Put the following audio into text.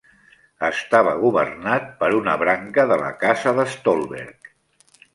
Estava governat per una branca de la Casa de Stolberg.